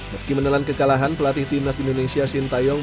meski menelan kekalahan pelatih timnas indonesia shin taeyong